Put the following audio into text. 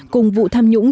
cùng vụ tham nhũng